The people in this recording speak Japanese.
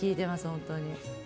本当に。